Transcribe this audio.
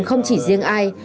không chỉ riêng ai